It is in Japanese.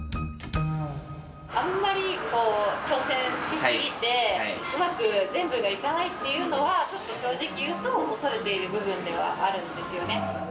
あんまり挑戦し過ぎて、うまく全部がいかないっていうのは、ちょっと正直言うと、恐れている部分ではあるんですよね。